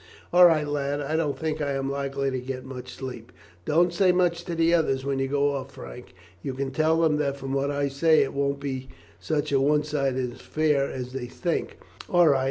"All right, lad; I don't think I am likely to get much sleep." "Don't say much to the others when you go out," Frank said. "You can tell them that, from what I say, it won't be such a one sided affair as they seem to think." "All right.